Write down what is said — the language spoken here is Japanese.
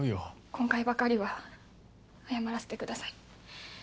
今回ばかりは謝らせてください。